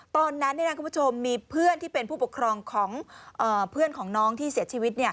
ตอนนั้นคุณผู้ชมมีเพื่อนที่เป็นผู้ปกครองของเพื่อนของน้องที่เสียชีวิต